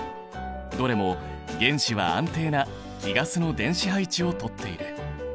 どれも原子は安定な貴ガスの電子配置をとっている。